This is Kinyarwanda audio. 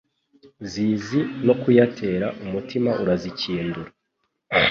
Zizi no kuyatera Umutima urazikindura